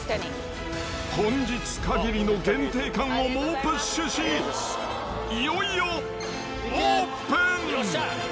本日限りの限定感を猛プッシュし、いよいよオープン！